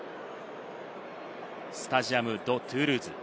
スタジアム・ド・トゥールーズ。